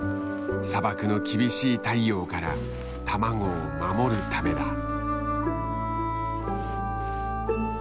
砂漠の厳しい太陽から卵を守るためだ。